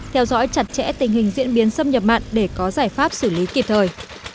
theo dõi chặt chẽ tình hình diễn biến xâm nhập mặn để có giải pháp xử lý kịp thời